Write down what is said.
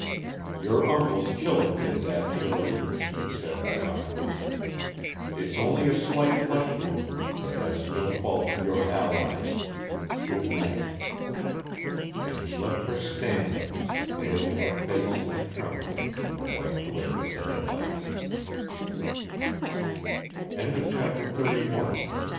"Your uncle's killer did that, Shirley," he said ironically. "It's only a slight flesh wound, but that is no fault of your allies. Good night." And he left her standing, pale of face and trembling, in the white glare of the headlight.